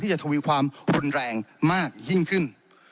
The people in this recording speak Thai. จะทวีความรุนแรงมากยิ่งขึ้น